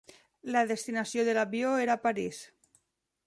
La destinació de l'avió era parís.